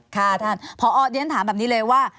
ค่ะท่านผอเรียนถามแบบนี้เลยว่า